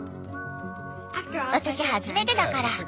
私初めてだから。